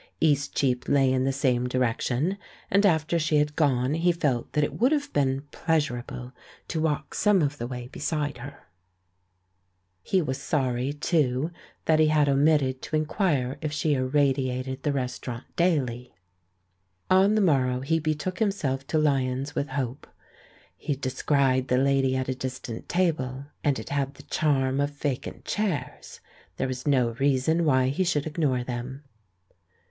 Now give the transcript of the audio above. Eastcheap lay in the same di rection, and after she had gone he felt that it would have been pleasurable to walk some of the way beside her. 322 THE MAN WHO UNDERSTOOD WOMEN He was sorry, too, that he had omitted to in quire if she irradiated the restaurant daily. On the morrow he betook himself to Lyons* with hope. He descried the lady at a distant table, and it had the charm of vacant chairs. There was no reason why he should ignore them.